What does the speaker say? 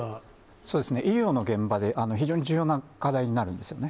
そうですね、医療の現場で、非常に重要な課題になるんですよね。